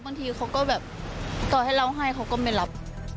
บางทีเขาก็แบบต่อให้เราให้เขาก็ไม่รับ